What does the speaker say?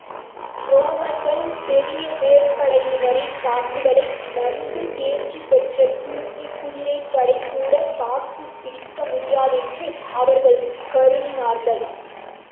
ரோமர்கள் பெரிய வேற்படையினரின் தாக்குதலை, நன்கு தேர்ச்சி பெற்ற துருக்கிக் குதிரைப்படைகூடத் தாக்குப் பிடிக்க முடியாதென்று அவர்கள் கருதினார்கள்.